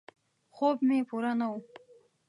خوب مې پوره نه و.